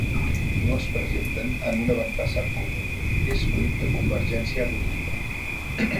No es presenten en un avantpassat comú, és fruit de convergència evolutiva.